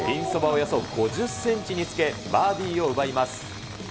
およそ５０センチにつけ、バーディーを奪います。